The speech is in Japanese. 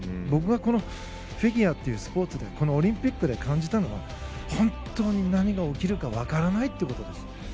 僕がフィギュアというスポーツでこのオリンピックで感じたのは本当に何が起きるか分からないっていうことです。